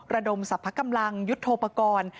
ระดมสรรพกำลังยุทธโทปกรณ์